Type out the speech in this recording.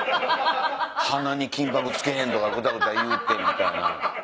鼻に金箔つけへん！とかぐだぐだ言うて！みたいな。